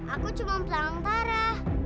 aku cuma pelanggaran